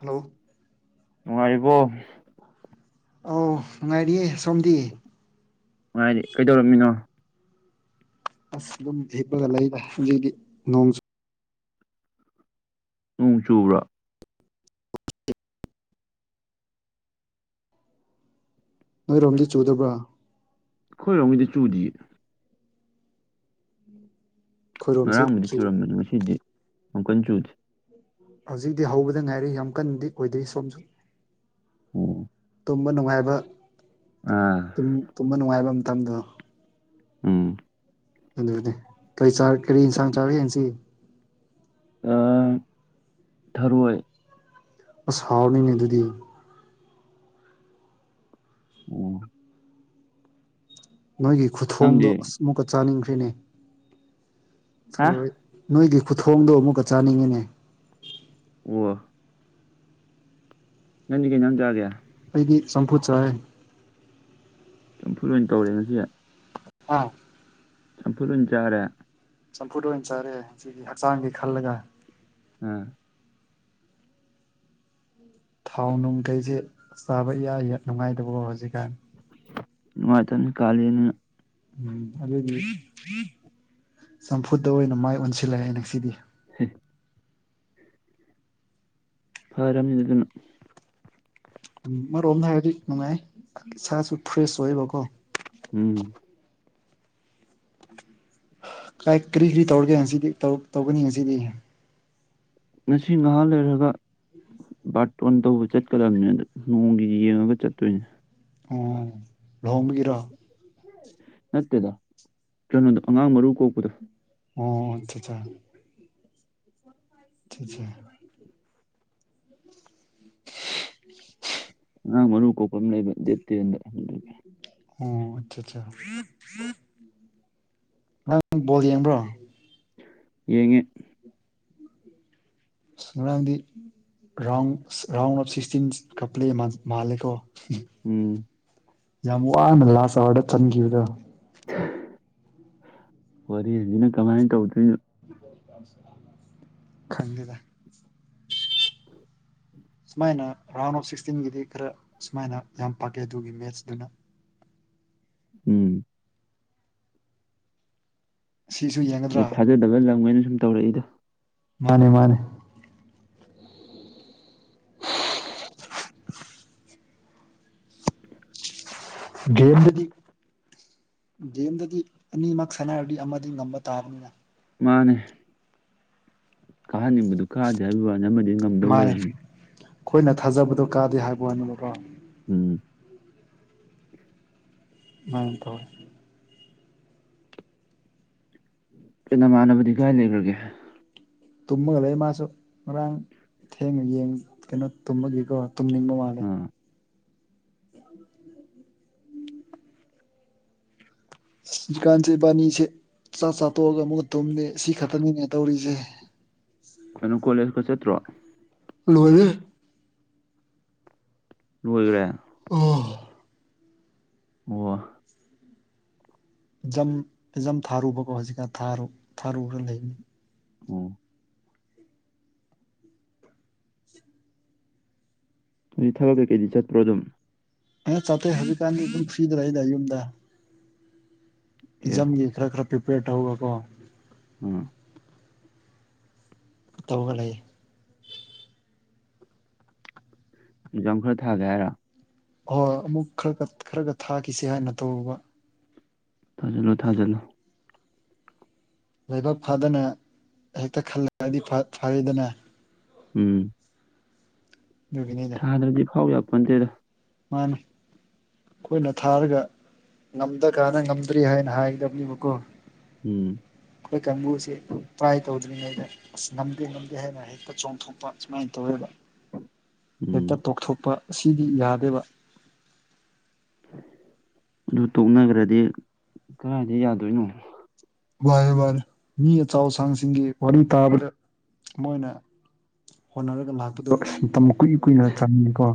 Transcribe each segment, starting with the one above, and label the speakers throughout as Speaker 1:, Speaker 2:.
Speaker 1: hello
Speaker 2: ꯅꯨꯡꯉꯥꯏꯔꯤꯕꯣ
Speaker 1: ꯑꯧ ꯅꯨꯡꯉꯥꯏꯔꯤꯌꯦ ꯁꯣꯝꯗꯤ
Speaker 2: ꯅꯨꯡꯉꯥꯏꯔꯤ ꯀꯩꯗꯧꯔꯝꯃꯤꯅꯣ
Speaker 1: ꯑꯁ ꯑꯗꯨꯝ ꯍꯤꯄꯒꯥ ꯂꯩꯗꯥ ꯍꯧꯖꯤꯛꯗꯤ ꯅꯣꯡ
Speaker 2: ꯅꯣꯡ ꯆꯨꯕ꯭ꯔꯥ
Speaker 1: ꯅꯣꯏꯔꯣꯝꯗꯤ ꯆꯨꯗꯕ꯭ꯔꯥ
Speaker 2: ꯈꯣꯏꯔꯣꯝ ꯒꯤꯗꯤ ꯆꯨꯗꯤꯌꯦ
Speaker 1: ꯑꯩꯈꯣꯏꯔꯣꯝꯁꯤ
Speaker 2: ꯉꯔꯥꯡꯕꯨꯗꯤ
Speaker 1: ꯆꯨ
Speaker 2: ꯆꯨꯔꯝꯕꯅꯤ ꯉꯁꯤꯗꯤ ꯌꯝꯀꯟ ꯆꯨꯗꯦ
Speaker 1: ꯍꯧꯖꯤꯛꯇꯤ ꯍꯧꯕꯗ ꯉꯥꯏꯔꯤ ꯌꯥꯝ ꯀꯟꯗꯤ ꯑꯣꯏꯗꯦ ꯁꯣꯝꯁꯨ
Speaker 2: ꯎꯝ
Speaker 1: ꯇꯨꯝꯕ ꯅꯨꯡꯉꯥꯏꯕ ꯇꯨꯝꯕ ꯅꯨꯡꯉꯥꯏꯕ ꯃꯇꯝꯗꯣ
Speaker 2: ꯎꯝ
Speaker 1: ꯑꯗꯨꯅꯦꯪ ꯀꯔꯤ ꯀꯔꯤ ꯌꯦꯟꯁꯥꯡ ꯆꯥꯔꯒꯦ ꯉꯁꯤ
Speaker 2: ꯑꯥ ꯊꯔꯣꯏ
Speaker 1: ꯑꯁ ꯍꯧꯅꯤꯅꯦ ꯑꯗꯨꯗꯤ
Speaker 2: ꯎꯝ
Speaker 1: ꯅꯣꯏꯒꯤ ꯈꯨꯊꯣꯡꯗꯣ
Speaker 2: ꯅꯪꯗꯤ
Speaker 1: ꯑꯁ ꯑꯃꯨꯛꯀ ꯆꯥꯅꯤꯡꯈ꯭ꯔꯤꯅꯦ
Speaker 2: ꯍꯥ
Speaker 1: ꯊꯔꯣꯢ ꯅꯣꯏꯒꯤ ꯈꯨꯊꯣꯡꯗꯣ ꯑꯃꯨꯛꯀ ꯆꯥꯅꯤꯡꯉꯦꯅꯦ
Speaker 2: ꯋꯥ ꯅꯪꯗꯤ ꯀꯩ ꯢꯟꯖꯥꯡ ꯆꯒꯦ
Speaker 1: ꯑꯩꯗꯤ ꯁꯝꯐꯨꯠ ꯆꯔꯦ
Speaker 2: ꯆꯝꯐꯨꯠ ꯑꯣꯢꯅ ꯇꯧꯔꯦ ꯉꯁꯤꯗꯤ
Speaker 1: ꯑꯥ
Speaker 2: ꯆꯝꯐꯨꯠ ꯑꯣꯢ ꯆꯥꯔꯦ
Speaker 1: ꯆꯝꯐꯨꯠ ꯑꯣꯏꯅ ꯆꯥꯔꯦ ꯍꯛꯆꯥꯡꯒꯤ ꯈꯜꯂꯒ
Speaker 2: ꯑ
Speaker 1: ꯊꯥꯎ ꯅꯨꯡ ꯀꯩꯁꯦ ꯆꯥꯕ ꯌꯥꯏ ꯅꯨꯡꯉꯥꯏꯇꯕꯣ ꯍꯧꯖꯤꯛꯀꯥꯟ
Speaker 2: ꯅꯨꯡꯉꯥꯏꯇꯕꯅꯤ ꯀꯥꯂꯦꯟꯅꯤꯅ
Speaker 1: ꯎꯝ ꯑꯗꯨꯗꯤ ꯆꯝꯐꯨꯠꯇ ꯑꯣꯏꯅ ꯃꯥꯏ ꯑꯣꯟꯁꯤꯜꯂꯦ ꯉꯁꯤꯗꯤ
Speaker 2: ꯍꯦ ꯐꯔꯔꯅꯤ ꯑꯗꯨꯅ
Speaker 1: ꯎꯝ ꯑꯃꯔꯣꯝꯗ ꯍꯥꯏꯔꯗꯤ ꯅꯨꯡꯉꯥꯏ ꯏꯁꯥꯁꯨ ꯐ꯭ꯔꯦꯁ ꯑꯣꯏꯌꯦꯕꯀꯣ
Speaker 2: ꯎꯝ
Speaker 1: [unintelligible] ꯀꯔꯤ ꯀꯔꯤ ꯇꯧꯔꯤꯒꯦ ꯉꯁꯤꯗꯤ ꯇꯧꯒꯅꯤ ꯉꯁꯤꯗꯤ
Speaker 2: ꯉꯁꯤ ꯅꯍꯥꯛ ꯂꯩꯔꯒ
Speaker 1: [unintelligible]
Speaker 2: ꯕꯥꯔꯇꯣꯟ ꯇꯧꯕ ꯆꯠꯀꯗꯕꯅꯦ ꯑꯗꯣ ꯅꯣꯡꯒꯤ ꯌꯦꯡꯉꯒ ꯆꯠꯇꯣꯏꯅꯦ
Speaker 1: ꯑꯣ ꯂꯨꯍꯣꯡꯕꯒꯤꯔꯣ
Speaker 2: ꯅꯠꯇꯦꯗꯥ ꯀꯩꯅꯣꯗ ꯑꯉꯥꯡ ꯃꯔꯨ ꯀꯣꯛꯄꯗꯣ
Speaker 1: ꯑꯣ [unintelligible] ꯑꯆꯥꯑꯆꯥꯆꯥ
Speaker 2: ꯑꯉꯥꯡ ꯃꯔꯨ ꯀꯣꯛꯄ ꯑꯃ ꯂꯩꯕ ꯗꯦꯠ ꯇꯦꯟꯗ ꯑꯗꯨꯒꯤ
Speaker 1: ꯑꯣ ꯑꯆꯥ ꯑꯆꯥ ꯅꯪ ꯕꯣꯜ ꯌꯦꯡꯕ꯭ꯔꯣ
Speaker 2: ꯌꯦꯡꯉꯦ
Speaker 1: ꯉꯔꯥꯡꯗꯤ ꯔꯥꯎꯟ ꯔꯥꯎꯟ ꯑꯣꯞ ꯁꯤꯛꯁꯇꯤꯟ ꯀꯄ꯭ꯂꯦ ꯃꯥꯜꯂꯦꯀꯣ
Speaker 2: ꯎꯝ
Speaker 1: ꯌꯥꯝ ꯋꯥꯅ ꯂꯥꯁ ꯑꯋꯥꯔꯗ ꯆꯟꯈꯤꯕꯗꯣ
Speaker 2: ꯋꯥꯔꯤꯁꯤꯅ ꯀꯃꯥꯏꯅ ꯇꯧꯗꯣꯏꯅꯣ
Speaker 1: ꯈꯪꯗꯦꯗ ꯁꯨꯃꯥꯏꯅ ꯔꯥꯎꯟ ꯑꯣꯐ ꯁꯤꯛꯁꯇꯤꯟꯒꯤꯗꯤ ꯈꯔ ꯁꯨꯃꯥꯏꯅ ꯌꯥꯝ ꯄꯥꯀꯦ ꯑꯗꯨꯒꯤ ꯃꯦꯠꯁꯇꯨꯅ
Speaker 2: ꯎꯝ
Speaker 1: ꯁꯤꯁꯨ ꯌꯦꯡꯒꯗ꯭ꯔꯥ
Speaker 2: [unintelligible] ꯊꯥꯖꯗꯕ ꯂꯝꯒꯩꯅ ꯁꯨꯝ ꯇꯧꯔꯛꯏꯗ
Speaker 1: ꯃꯥꯅꯦ ꯃꯥꯅꯦ ꯒꯦꯝꯗꯗꯤ ꯒꯦꯝꯗꯗꯤ ꯑꯅꯤꯃꯛ ꯁꯥꯟꯅꯔꯗꯤ ꯑꯃꯗꯤ ꯉꯝꯕ ꯇꯥꯕꯅꯤꯅ
Speaker 2: ꯃꯥꯅꯦ ꯀꯥꯍꯟꯅꯤꯡꯕꯗꯨ ꯀꯥꯗꯦ ꯍꯥꯏꯕ ꯋꯥꯅꯦ ꯑꯃꯗꯤ ꯑꯗꯨꯝ ꯉꯝꯗꯧ
Speaker 1: ꯃꯥꯅꯦ
Speaker 2: ꯂꯩꯔꯕꯅꯦ
Speaker 1: ꯑꯩꯈꯣꯏꯅ ꯊꯥꯖꯕꯗꯣ ꯀꯥꯗꯦ ꯍꯥꯏꯕ ꯋꯥꯅꯦꯕꯀꯣ
Speaker 2: ꯎꯝ
Speaker 1: [unintelligible]
Speaker 2: ꯀꯩ ꯅꯃꯥꯟꯅꯕꯗꯤ ꯀꯥꯏ ꯂꯩꯈꯒꯦ
Speaker 1: ꯇꯨꯝꯃꯒ ꯂꯩ ꯃꯥꯁꯨ ꯉꯔꯥꯡ ꯊꯦꯡꯅ ꯌꯦꯡ ꯀꯩꯅꯣ ꯇꯨꯝꯃꯒꯀꯣ ꯇꯨꯝꯅꯤꯡꯕ ꯃꯥꯜꯂꯦ
Speaker 2: ꯑꯥ
Speaker 1: ꯍꯧꯖꯤꯛꯀꯥꯟꯁꯦ ꯏꯕꯥꯅꯤꯁꯦ ꯆꯥꯛ ꯆꯥ ꯇꯣꯛꯑꯒ ꯑꯃꯨꯛꯀ ꯊꯨꯝꯃꯦ ꯁꯤ ꯈꯛꯇꯅꯤꯅꯦ ꯇꯧꯔꯤꯁꯦ
Speaker 2: ꯀꯩꯅꯣ ꯀꯣꯂꯦꯖ ꯀꯥ ꯆꯠꯇ꯭ꯔꯣ
Speaker 1: ꯂꯣꯏꯅꯦ
Speaker 2: ꯂꯣꯏꯒ꯭ꯔꯦ
Speaker 1: ꯑꯥ
Speaker 2: ꯋꯥ [unintelligible]
Speaker 1: ꯖꯝ ꯖꯝ ꯊꯥꯔꯨꯕꯀꯣ ꯍꯧꯖꯤꯛꯀꯥꯟ ꯊꯥꯔ ꯊꯥꯔꯨꯨꯔ ꯂꯩꯅꯤ
Speaker 2: ꯎꯝ ꯍꯧꯖꯤꯛ ꯊꯕꯛ ꯀꯩꯀꯩꯗꯤ ꯆꯠꯄ꯭ꯔꯣ ꯑꯗꯨꯝ
Speaker 1: ꯑꯥ ꯆꯠꯇꯦ ꯍꯧꯕꯤꯛ ꯀꯥꯟꯗꯤ ꯑꯗꯨꯝ ꯐ꯭ꯔꯤꯗꯔꯗ ꯂꯩꯌꯦꯗ ꯌꯨꯝꯗ
Speaker 2: ꯑꯦ
Speaker 1: ꯑꯦꯖꯝꯒꯤ ꯈꯔ ꯈꯔ ꯄ꯭ꯔꯤꯄꯦꯌꯔ ꯇꯧꯔꯒ ꯀꯣ
Speaker 2: ꯎꯝ
Speaker 1: ꯇꯧꯒ ꯂꯩ
Speaker 2: ꯑꯦꯛꯖꯥꯝ ꯈꯔ ꯊꯥꯒꯦ ꯍꯥꯏꯔꯣ
Speaker 1: ꯍꯣꯏ ꯑꯃꯨꯛ ꯈꯔ ꯈꯔꯒ ꯊꯥꯈꯤꯁꯦ ꯍꯥꯏꯅ ꯇꯧꯕꯔꯕ
Speaker 2: ꯊꯥꯖꯜꯂꯣ ꯊꯥꯖꯜꯂꯣ
Speaker 1: ꯂꯥꯏꯕꯛ ꯐꯥꯗꯅ ꯍꯦꯛꯇ ꯈꯜꯂꯒꯗꯤ ꯐꯔꯗꯅ
Speaker 2: ꯎꯝ
Speaker 1: ꯑꯗꯨꯒꯤꯅꯤꯗ
Speaker 2: ꯊꯥꯗꯗꯤ ꯐꯥꯎꯎ ꯌꯥ ꯄꯣꯟꯇꯦꯗ
Speaker 1: ꯃꯥꯅꯦ ꯑꯩꯈꯣꯏꯅ ꯊꯥꯔꯒ ꯉꯝꯗ ꯀꯥꯟꯅ ꯉꯝꯗ꯭ꯔꯤ ꯍꯥꯏꯅ ꯍꯥꯏꯒꯗꯕꯅꯦꯕꯀꯣ
Speaker 2: ꯎꯝ
Speaker 1: ꯑꯩꯣꯏ ꯀꯪꯒꯁ ꯇꯥꯏ ꯇꯧ ꯇꯠꯇ꯭ꯔꯤꯉꯩꯗ ꯑꯁ ꯅꯝꯗꯦ ꯅꯝꯗꯦ ꯍꯥꯏꯅ ꯍꯦꯛꯛꯇ ꯆꯣꯡꯊꯣꯛꯄ ꯁꯨꯃꯥꯏꯅ ꯇꯧꯋꯦꯕ ꯍꯦꯛꯇ
Speaker 2: ꯎꯝ
Speaker 1: ꯇꯣꯛꯊꯣꯛꯄ ꯑꯁꯤꯗꯤ ꯌꯥꯗꯦꯕ
Speaker 2: ꯑꯗꯨ ꯇꯣꯛꯅꯈ꯭ꯔꯗꯤ ꯀꯗꯥꯏꯗ ꯌꯥꯗꯣꯏꯅꯣ
Speaker 1: ꯃꯥꯅꯤ ꯃꯥꯅꯤ ꯃꯤ ꯑꯆꯥꯎ ꯑꯁꯥꯡꯁꯤꯡꯒꯤ ꯋꯥꯔꯤ ꯇꯥꯕꯗ ꯃꯣꯏꯅ ꯍꯣꯠꯅꯔꯒ ꯂꯥꯛꯄꯗꯣ ꯑꯁ ꯃꯇꯝ ꯀꯨꯏ ꯀꯨꯏꯅ ꯆꯪꯉꯦꯀꯣ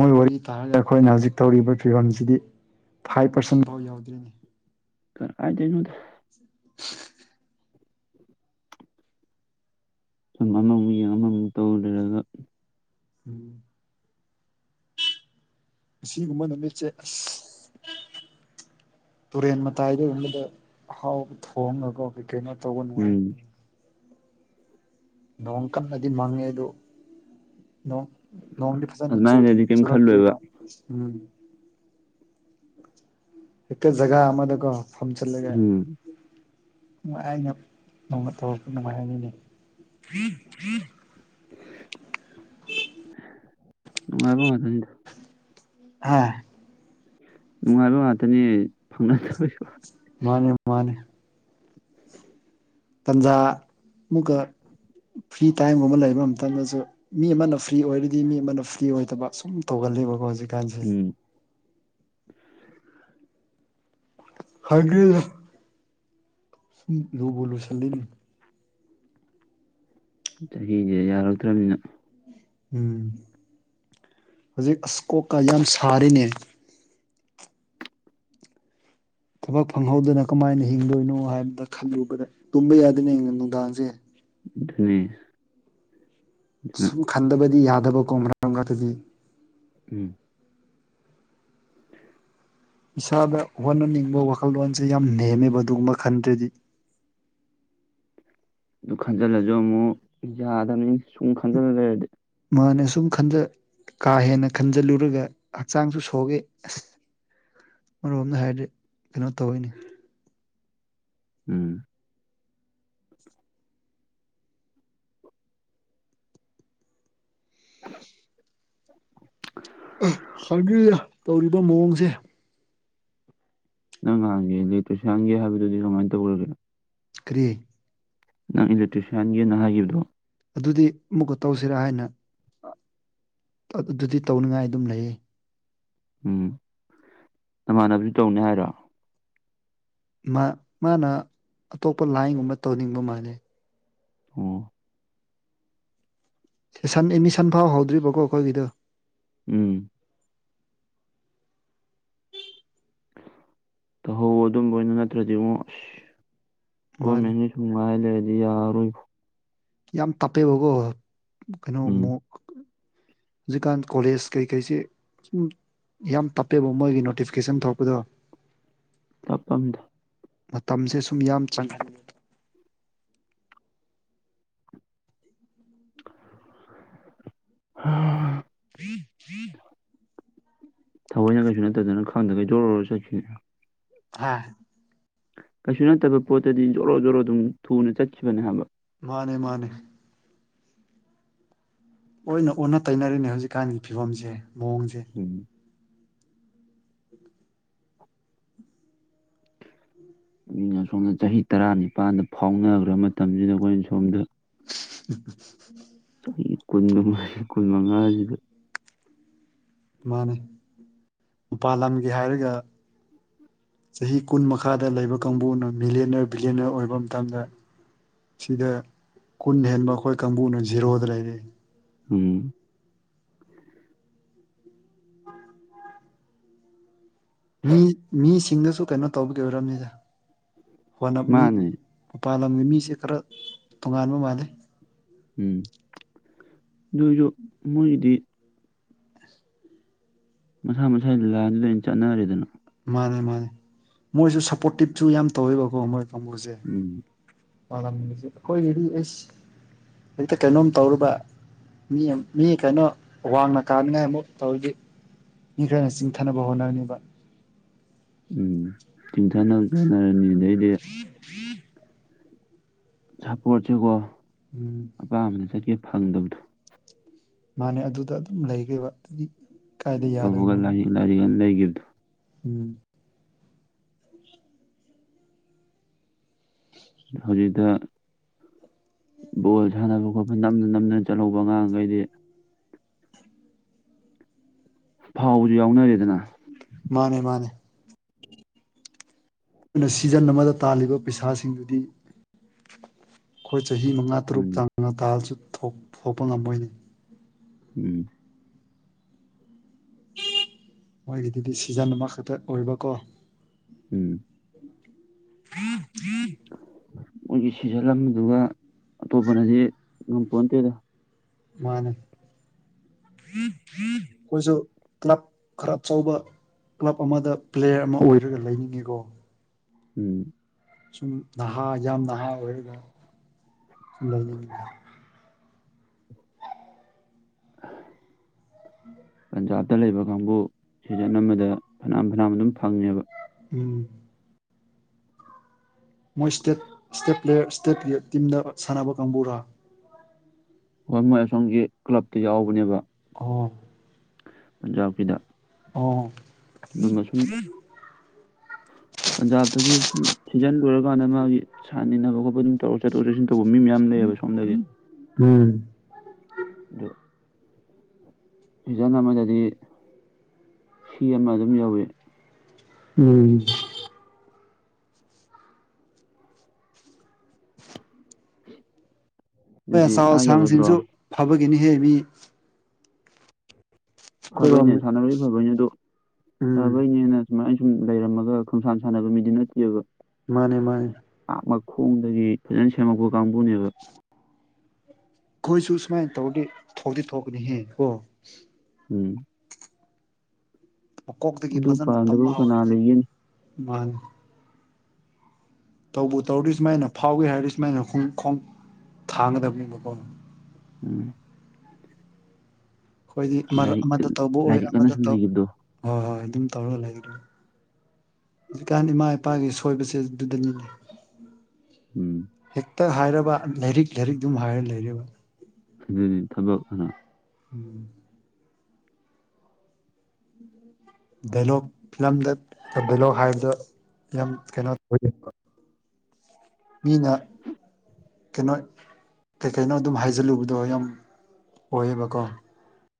Speaker 1: ꯃꯣꯏ ꯋꯥꯔꯤ ꯇꯥꯔꯒ ꯑꯩꯈꯣꯏꯅ ꯍꯧꯖꯤꯛ ꯇꯧꯔꯤꯕ ꯐꯤꯕꯝꯁꯤꯗꯤ ꯐꯥꯏꯚ ꯄꯥꯔꯁꯦꯟ ꯐꯥꯎ ꯌꯥꯎꯗ꯭ꯔꯤꯅꯦ
Speaker 2: ꯀꯔ ꯀꯥꯏꯗꯅꯣꯗ ꯁꯨꯝ ꯑꯃꯃꯨꯛ ꯌꯦꯡ ꯑꯃꯃꯨꯛ ꯇꯧ ꯂꯩꯔꯒ
Speaker 1: ꯎꯝ ꯁꯤꯒꯨꯝꯕ ꯅꯨꯃꯤꯠꯁꯦ ꯑꯁ ꯇꯨꯔꯦꯟ ꯃꯇꯥꯏꯗ ꯌꯕꯗ ꯍꯥꯎꯕ ꯊꯣꯡꯉꯒ ꯀꯣ ꯀꯩꯅꯣ ꯇꯧꯕ ꯅꯨꯡꯉꯥꯏ
Speaker 2: ꯎꯝ
Speaker 1: ꯅꯣꯡ ꯀꯟꯅꯗꯤ ꯃꯪꯉꯦ ꯑꯗꯨꯗꯣ ꯅꯣꯡ ꯅꯣꯡꯗꯤ ꯐꯖꯅ
Speaker 2: ꯑꯗꯨꯃꯥꯏꯅ
Speaker 1: ꯆꯨꯗꯦ
Speaker 2: ꯂꯩꯔꯗꯤ ꯀꯩꯝ
Speaker 1: ꯆꯨꯔꯛꯇ꯭ꯦꯕ
Speaker 2: ꯈꯜꯂꯣꯏꯕ
Speaker 1: ꯎꯝ ꯑꯦꯇ ꯒꯥ ꯑꯃꯗꯀꯣ ꯐꯝ ꯆꯠꯂꯒ
Speaker 2: ꯎꯝ
Speaker 1: ꯅꯨꯡ ꯑꯩꯅ ꯅꯣꯡꯃ ꯇꯧꯔꯛꯄ ꯅꯨꯡꯉꯥꯏ ꯍꯥꯏꯅꯤꯅꯦ
Speaker 2: ꯅꯨꯡꯉꯥꯏꯕ ꯉꯥꯇꯅꯤꯗ
Speaker 1: ꯍꯥꯥ
Speaker 2: ꯅꯨꯡꯉꯥꯏꯕ ꯉꯥꯛꯇꯅꯤ ꯐꯪꯅꯗꯕꯁꯨ
Speaker 1: ꯃꯥꯅꯦ ꯃꯥꯅꯦ ꯇꯟꯖꯥ ꯃꯨꯛꯀ ꯐ꯭ꯔꯤ ꯇꯥꯏꯝꯒꯨꯝꯕ ꯂꯩꯕ ꯃꯇꯝꯝꯇꯗꯁꯨ ꯃꯤ ꯑꯃꯅ ꯐ꯭ꯔꯤ ꯑꯣꯏꯔꯗꯤ ꯃꯤ ꯑꯃꯅ ꯐ꯭ꯔꯤ ꯑꯣꯏꯗꯕ ꯁꯨꯝ ꯇꯧꯒ ꯂꯤꯕ ꯍꯧꯖꯤꯀ ꯀꯥꯟꯁꯤ
Speaker 2: ꯎꯝ
Speaker 1: ꯍꯥꯏꯒ ꯎ ꯂꯨꯕꯂꯨꯁꯂꯤ
Speaker 2: ꯆꯍꯤꯁꯦ ꯌꯥꯔꯛꯇ꯭ꯔꯅꯤꯅ
Speaker 1: ꯎꯝ ꯍꯧꯖꯤꯛ ꯑꯁꯀꯣꯀ ꯌꯥꯝ ꯁꯥꯔꯤꯅꯦ ꯊꯕꯛ ꯐꯪꯍꯧꯗꯅ ꯀꯃꯥꯏꯅ ꯍꯤꯡꯗꯣꯏꯅꯣ ꯍꯥꯏꯕꯗ ꯈꯜꯂꯨꯕꯗ ꯇꯨꯝꯕ ꯌꯥꯗꯅꯦ ꯅꯨꯡꯗꯥꯡꯁꯦ
Speaker 2: ꯑꯗꯨꯅꯤ ꯑꯗꯨꯅ
Speaker 1: ꯁꯨꯝ ꯈꯟꯗꯕꯗꯤ ꯌꯥꯗꯕꯀꯣ ꯃꯔꯀ ꯃꯔꯛꯇꯗꯤ
Speaker 2: ꯎꯝ
Speaker 1: ꯏꯁꯥꯗ ꯍꯣꯠꯅꯅꯤꯡꯕ ꯋꯥꯈꯜꯂꯣꯟꯁꯦ ꯌꯥꯝ ꯅꯦꯝꯃꯦꯕ ꯑꯗꯨꯒꯨꯝꯕ ꯈꯟꯗ꯭ꯔꯗꯤ [inaudible]
Speaker 2: ꯑꯗꯨ ꯈꯟꯖꯤꯜꯂꯁꯨ ꯑꯃꯨꯛ ꯌꯥꯗꯕꯅꯤ ꯁꯨꯝ ꯈꯟꯖꯤꯜꯂ ꯂꯩꯔꯗꯤ
Speaker 1: ꯃꯥꯅꯦ ꯁꯨꯝ ꯀꯥ ꯍꯦꯟꯅ ꯈꯟꯖꯤꯜꯂꯨꯔꯒ ꯍꯛꯆꯥꯡꯁꯨ ꯁꯣꯛꯑꯦ ꯑꯁ ꯃꯔꯨꯄꯅ ꯍꯥꯏꯔꯗꯤ ꯀꯩꯅꯣ ꯇꯧꯋꯤꯅꯦ
Speaker 2: ꯎꯝ [unintelligible]
Speaker 1: ꯑ ꯈꯪꯗꯦꯗ ꯇꯧꯔꯤꯕ ꯃꯑꯣꯡꯁꯦ
Speaker 2: ꯅꯪ ꯉꯍꯥꯟꯒꯤ ꯑꯂꯦꯇꯤꯛꯁꯤꯌꯥꯟꯒꯤ ꯍꯥꯏꯕꯗꯨꯗꯤ ꯀꯃꯥꯏ ꯇꯧꯔꯒꯦ
Speaker 1: ꯀ꯭ꯔꯤ
Speaker 2: ꯅꯪ ꯑꯦꯂꯦꯛꯇ꯭ꯔꯤꯁꯤꯌꯥꯟꯒꯤ ꯅ ꯍꯥꯏꯈꯤꯕꯗꯣ
Speaker 1: ꯑꯗꯨꯗꯤ ꯑꯃꯨꯛꯀ ꯇꯧꯁꯤꯔꯥ ꯍꯥꯏꯅ ꯑꯗꯨꯗꯗꯤ ꯇꯧꯅꯤꯡꯉꯥꯏ ꯑꯗꯨꯝ ꯂꯩꯌꯦ
Speaker 2: ꯎꯝ ꯅꯃꯥꯟꯅꯕꯁꯨ ꯇꯧꯅꯦ ꯍꯥꯏꯔꯣ
Speaker 1: ꯃ ꯃꯥꯅ ꯑꯇꯣꯞꯄ ꯂꯥꯏꯟꯒꯨꯝꯕ ꯇꯧꯅꯤꯡꯕ ꯃꯥꯜꯂꯦ
Speaker 2: ꯑꯣ
Speaker 1: ꯁꯟ ꯑꯦꯃꯤꯁꯟ ꯐꯥꯎ ꯍꯧꯗ꯭ꯔꯤꯕꯀꯣ ꯑꯩꯈꯣꯏꯒꯤꯗꯣ
Speaker 2: ꯎꯝ ꯇꯧꯍꯧꯋꯣ ꯑꯗꯨꯝꯕ ꯑꯣꯏꯅ ꯅꯠꯇ꯭ꯔꯗꯤꯉꯣ ꯑꯁ ꯒꯣ
Speaker 1: ꯃꯥꯅꯦ
Speaker 2: ꯃꯦꯟꯒꯤ ꯁꯨꯝ ꯉꯥꯏ ꯂꯩꯔꯗꯤ ꯌꯥꯔꯔꯣꯏ
Speaker 1: ꯌꯥꯝ ꯇꯞꯄꯦꯕꯀꯣ ꯀꯩꯅꯣ
Speaker 2: ꯎꯝ
Speaker 1: ꯃꯣꯛ ꯍꯧꯖꯤꯛꯀꯥꯟ ꯀꯣꯂꯦꯖ ꯀꯩꯀꯩꯁꯦ ꯁꯨꯝ ꯌꯥꯝ ꯇꯞꯄꯦꯕ ꯃꯣꯏꯒꯤ ꯅꯣꯇꯤꯐꯤꯀꯦꯁꯟ ꯊꯣꯛꯄꯗꯣ
Speaker 2: ꯇꯐꯝꯝꯗ
Speaker 1: ꯃꯇꯝꯁꯦ ꯁꯨꯝ ꯌꯥꯝ ꯆꯪꯉ
Speaker 2: ꯍ
Speaker 1: [unintelligible]
Speaker 2: ꯊꯑꯣꯏꯅ ꯀꯩꯁꯨ ꯅꯠꯇꯗꯅ ꯈꯪꯗ ꯀꯩ ꯖꯣꯔꯔꯣ ꯆꯠꯈꯤ
Speaker 1: ꯍꯥ
Speaker 2: ꯀꯩꯁꯨ ꯅꯠꯇꯕ ꯄꯣꯠꯇꯗꯤ ꯖꯣꯔꯣ ꯖꯣꯔꯣ ꯑꯗꯨꯝ ꯊꯨꯅ ꯆꯠꯈꯤꯕꯅꯦ ꯍꯥꯏꯕ
Speaker 1: ꯃꯥꯅꯦ ꯃꯥꯅꯦ ꯑꯣꯏꯅ ꯑꯣꯟꯅ ꯇꯩꯅꯔꯤꯅꯦ ꯍꯧꯖꯤꯛꯀꯥꯟꯒꯤ ꯐꯤꯕꯝꯁꯦ ꯃꯑꯣꯡꯁꯦ
Speaker 2: ꯎꯝ ꯃꯤꯅ ꯁꯣꯝꯗ ꯆꯍꯤ ꯇꯔꯥ ꯅꯤꯄꯥꯜꯗ ꯐꯥꯎꯅꯈ꯭ꯔ ꯃꯇꯝꯁꯤꯗ ꯑꯩꯈꯣꯏꯅ ꯁꯣꯝꯗ
Speaker 1: [unintelligible]
Speaker 2: ꯆꯍꯤ ꯀꯨꯟꯒꯃꯔꯤ ꯀꯨꯟꯃꯉꯥ [unintelligible]
Speaker 1: ꯃꯥꯅꯦ ꯃꯄꯥꯜ ꯂꯝꯒꯤ ꯍꯥꯏꯔꯒ ꯆꯍꯤ ꯀꯨꯟ ꯃꯈꯥꯗ ꯂꯩꯕ ꯀꯥꯡꯕꯨꯅ ꯃꯤꯂꯦꯅꯔ ꯕꯤꯂꯦꯅꯔ ꯑꯣꯏꯕ ꯃꯇꯝꯗ ꯁꯤꯗ ꯀꯨꯟ ꯍꯦꯟꯕ ꯑꯈꯣꯏ ꯀꯥꯡꯕꯨꯅ ꯖꯤꯔꯣꯗ ꯂꯩꯔꯦ
Speaker 2: ꯎꯝ
Speaker 1: ꯃꯤ ꯃꯤꯁꯤꯡꯗꯁꯨ ꯀꯩꯅꯣ ꯇꯧꯕꯒꯤ ꯑꯣꯏꯔꯝꯅꯤꯗ [unintelligible] ꯃꯤ
Speaker 2: ꯃꯥꯅꯦ
Speaker 1: ꯃꯄꯥꯟꯂꯝꯒꯤ ꯃꯤꯁꯦ ꯈꯔ ꯇꯣꯉꯥꯟꯕ ꯃꯥꯜꯂꯦ
Speaker 2: ꯎꯝ ꯑꯗꫭꯏꯖꯨ ꯃꯣꯏꯒꯤꯗꯤ ꯃꯁꯥ ꯃꯁꯥꯒꯤ ꯂꯥꯏꯟꯗ ꯂꯣꯏꯅ ꯆꯠꯅꯔꯦꯗꯅ
Speaker 1: ꯃꯥꯅꯦ ꯃꯥꯅꯦ ꯃꯣꯏꯁꯦ ꯁꯞꯄꯣꯔꯇꯤꯞꯁꯨ ꯌꯥꯝ ꯇꯧꯋꯦꯕꯀꯣ ꯃꯣꯏ ꯀꯥꯡꯕꯨꯖꯦ
Speaker 2: ꯎꯝ
Speaker 1: ꯄꯥꯂꯝꯃꯤꯁꯦ ꯑꯩꯈꯣꯏꯒꯤꯗꯤ ꯏꯁ ꯍꯦꯛꯇ ꯀꯩꯅꯣꯝ ꯇꯧꯔꯕ ꯃꯤ ꯃꯤ ꯀꯩꯅꯣ ꯋꯥꯡꯅ ꯀꯥꯅꯤꯡꯉꯥꯏ ꯑꯃꯨꯛ ꯇꯧꯔꯗꯤ ꯃꯤ ꯈꯔꯅ ꯆꯤꯡꯊꯅꯕ ꯍꯣꯠꯅꯅꯤꯕ
Speaker 2: ꯎꯝ ꯆꯤꯡꯊꯅꯕꯖꯨ ꯍꯣꯠꯅꯔꯅꯤ ꯑꯗꯩ
Speaker 1: [inaudible]
Speaker 2: ꯁꯞꯄꯣꯔꯠꯁꯦꯀꯣ
Speaker 1: ꯎꯝ
Speaker 2: ꯑꯄꯥꯝꯕꯗ ꯆꯠꯀꯦ ꯐꯪꯗꯕꯗꯣ
Speaker 1: ꯃꯥꯅꯦ ꯑꯗꯨꯗ ꯑꯗꯨꯝ ꯂꯩꯈ꯭ꯔꯦꯕ ꯑꯗꯨꯗꯤ ꯀꯥꯏꯗ
Speaker 2: ꯇꯧꯕꯒ
Speaker 1: ꯌꯥꯗꯣꯏꯅꯣꯕ
Speaker 2: ꯂꯥꯏꯔꯤꯛ ꯂꯥꯏꯔꯤꯛ ꯂꯩꯈꯤꯕꯗꯣ
Speaker 1: ꯎꯝ
Speaker 2: ꯍꯧꯖꯤꯛꯇ ꯕꯣꯜ ꯁꯥꯅꯕ ꯈꯣꯠ ꯅꯝꯅ ꯅꯝꯅ ꯆꯠꯂꯧꯕ ꯑꯉꯥꯡꯒꯩꯗꯤ ꯐꯥꯎꯕꯖꯨ ꯌꯥꯎꯅꯔꯦꯗꯅ
Speaker 1: ꯃꯥꯅꯦ ꯃꯥꯅꯦ [unintelligible] ꯁꯤꯖꯟ ꯑꯃꯗ ꯇꯥꯜꯂꯤꯕ ꯄꯩꯁꯥꯁꯤꯡꯗꯨꯗꯤ ꯈꯣꯏ ꯆꯍꯤ ꯃꯉꯥ ꯇꯔꯨꯛ
Speaker 2: ꯑꯗꯨꯅ
Speaker 1: ꯆꯡꯉ ꯇꯥꯜꯂꯁꯨ ꯊꯣꯛꯄ ꯊꫭꯛꯄ ꯉꯝꯃꯣꯏꯅꯦ
Speaker 2: ꯎꯝ
Speaker 1: ꯃꯣꯏꯒꯤꯗꯨꯗꯤ ꯁꯤꯖꯟ ꯑꯃꯈꯛꯇ ꯑꯣꯏꯕꯀꯣ
Speaker 2: ꯎꯝ
Speaker 1: [inaudible]
Speaker 2: ꯃꯣꯏꯒꯤ ꯁꯤꯖꯟ ꯑꯃꯗꯨꯒ ꯑꯇꯣꯞꯄꯅꯗꯤ ꯉꯝꯄꯣꯟꯇꯦꯗ
Speaker 1: ꯃꯥꯅꯦ ꯈꯣꯏꯁꯨ ꯀ꯭ꯂꯕ ꯈꯔ ꯑꯆꯧꯕ ꯀ꯭ꯂꯕ ꯑꯃꯗ ꯄ꯭ꯂꯦꯌꯔ ꯑꯃ ꯑꯣꯏꯔꯒ ꯂꯩꯅꯤꯡꯉꯤꯀꯣ
Speaker 2: ꯎꯝ
Speaker 1: ꯁꯨꯝ ꯅꯍꯥ ꯌꯥꯝ ꯅꯍꯥ ꯑꯣꯏꯔꯒ ꯁꯨꯝ ꯂꯩꯅꯤꯡꯉꯤ
Speaker 2: ꯄꯟꯖꯥꯞꯇ ꯂꯩꯕ ꯀꯥꯡꯕꯨ ꯁꯤꯖꯟ ꯑꯃꯗ ꯐꯅꯌꯥꯝ ꯐꯅꯌꯥꯝ ꯑꯗꯨꯝ ꯐꯪꯉꯦꯕ
Speaker 1: ꯎꯝ ꯃꯣꯏ ꯏꯁꯇꯦꯠ ꯏꯁꯇꯦꯠ ꯄ꯭ꯂꯦꯌꯔ ꯏꯁꯇꯦꯠ ꯇꯤꯝꯗ ꯁꯥꯟꯅꯕ ꯀꯥꯡꯕꯨꯔ
Speaker 2: ꯍꯣꯏ ꯃꯣꯏ ꯑꯁꯣꯝꯒꯤ ꯀ꯭ꯂꯕꯇ ꯌꯥꯎꯕꯅꯦꯕ
Speaker 1: ꯑꯣ
Speaker 2: ꯄꯟꯖꯥꯞꯀꯤꯗ
Speaker 1: ꯑꯣ
Speaker 2: ꯑꯗꯨꯃ ꯁꯨꯝ ꯄꯟꯖꯥꯞꯇꯒꯤ ꯁꯨꯝ ꯁꯤꯖꯟ ꯂꯣꯏꯔꯀꯥꯟꯗ ꯃꯥꯒꯤ [unintelligible] ꯈꯣꯠꯄ ꯑꯗꯨꯝ ꯇꯧꯔꯒ ꯆꯠꯊꯣꯛ ꯆꯠꯁꯤꯟ ꯇꯧꯕ ꯃꯤ ꯃꯌꯥꯝ ꯂꯩꯌꯦꯕ‌ ꯁꯣꯝꯗꯒꯤ
Speaker 1: ꯎꯝ
Speaker 2: ꯑꯗꯣ ꯁꯤꯖꯟ ꯑꯃꯗꯗꯤ ꯁꯤ ꯑꯃ ꯑꯗꯨꯝ ꯌꯧꯋꯤ
Speaker 1: ꯎꯝ ꯃꫭꯏ
Speaker 2: ꯑꯗꯨꯗꯤ
Speaker 1: ꯑꯆꯧ
Speaker 2: ꯑꯥ ꯌꯧꯔꯗ꯭ꯔꯣ
Speaker 1: ꯑꯁꯥꯡꯁꯤꯡꯁꯨ ꯐꯕꯒꯤꯅꯤꯍꯦ ꯃꯤ ꯑꯩꯈꯣꯏꯔꯣꯝ
Speaker 2: ꯐꯕꯩꯅꯦ ꯁꯥꯟꯅꯔꯣꯏꯖꯨ ꯐꯕꯩꯅꯦ ꯑꯗꫭ
Speaker 1: ꯎꯝ
Speaker 2: ꯐꯕꯩꯅꯦꯅ ꯁꯨꯝꯃꯥꯏ ꯁꯨꯝ ꯂꯩꯔꯝꯃꯒ ꯈꯡꯁꯥꯟ ꯁꯥꯟꯅꯕ ꯃꯤꯗꯤ ꯅꯠꯇꯦꯕ
Speaker 1: ꯃꯥꯟꯅꯦ ꯃꯥꯟꯅꯦ
Speaker 2: ꯑꯥ ꯃꯈꯣꯡꯗꯒꯤ ꯐꯖꯅ ꯁꯦꯝꯃꯛꯄ ꯀꯥꯡꯕꯨꯅꯦꯕ
Speaker 1: ꯈꯣꯏꯁꯨ ꯁꯨꯃꯥꯏꯅ ꯇꯧꯔꯗꯤ ꯊꯣꯛꯇꯤ ꯊꯣꯛꯀꯅꯤꯍꯦ ꯀꯣ
Speaker 2: ꯎꯝ
Speaker 1: ꯃꯀꯣꯛꯇꯒꯤ
Speaker 2: ꯑꯗꯨ
Speaker 1: ꯐꯖꯅ
Speaker 2: ꯄꯥꯝꯗꯕꯕꯨ
Speaker 1: ꯇꯝꯕ
Speaker 2: ꯀꯅꯥ
Speaker 1: ꯍꯧꯔꯗꯤ
Speaker 2: ꯂꯩꯒꯅꯤ
Speaker 1: ꯃꯥꯟꯅꯦ ꯇꯧꯕꯨ ꯇꯧꯔꯗꯤ ꯁꯨꯝꯃꯥꯏꯅ ꯐꯥꯎꯒꯦ ꯍꯥꯏꯔꯗꯤ ꯁꯨꯝꯃꯥꯏꯅ ꯈꯣꯡ ꯈꯣꯡ ꯊꯥꯡꯒꯗꯕꯅꯦꯕꯀꯣ
Speaker 2: ꯎꯝ
Speaker 1: ꯈꫭꯏꯗꯤ [unintelligible]
Speaker 2: ꯂꯥꯏꯔꯤꯛ
Speaker 1: ꯑꯃꯗ ꯇꯧꯕ ꯑꯣꯏ
Speaker 2: ꯂꯥꯏꯔꯤꯛ ꯑꯅ
Speaker 1: ꯑꯃꯗ
Speaker 2: ꯁꯨꯝ
Speaker 1: ꯇꯧ
Speaker 2: ꯂꯩꯈꯤꯕꯗꯣ
Speaker 1: ꯍꯣꯏ ꯍꯣꯏ ꯑꯗꯨꯝ ꯇꯧꯔꯒ ꯂꯩ ꯑꯗꯨ ꯍꯧꯖꯤꯛꯀꯥꯟ ꯏꯃꯥ ꯏꯄꯥꯒꯤ ꯁꯣꯏꯕꯁꯦ ꯑꯗꯨꯗꯅꯤꯅꯦ
Speaker 2: ꯎꯝ
Speaker 1: ꯇ ꯍꯥꯏꯔꯕ ꯂꯥꯏꯔꯤꯛ ꯂꯥꯏꯔꯤꯛ ꯑꯗꯨꯝ ꯍꯥꯏꯔꯒ ꯂꯩꯔꯦꯕ
Speaker 2: ꯑꯗꯨꯗꯤ ꯊꯕꯛꯅ
Speaker 1: ꯎꯝ ꯗꯥꯏꯂꫭꯛ ꯐꯤꯂꯝꯗ ꯗꯥꯏꯂꫭꯛ ꯍꯥꯏꯕꯗꯣ ꯌꯥꯝ ꯀꯩꯅꯣ [unintelligible] ꯃꯤꯅ ꯀꯩꯅꯣ ꯀꯩꯀꯩꯅꯣ ꯑꯗꯨꯝ ꯍꯥꯏꯖꯤꯜꯂꯨꯕꯗꯣ ꯌꯥꯝ ꯑꯣꯏꯌꯦꯕꯀꯣ